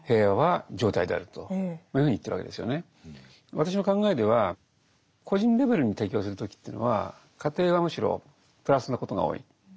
私の考えでは個人レベルに提供する時というのは過程はむしろプラスなことが多いと思います。